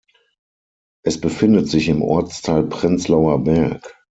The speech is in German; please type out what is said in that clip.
Es befindet sich im Ortsteil Prenzlauer Berg.